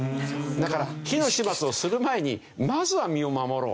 だから火の始末をする前にまずは身を守ろう。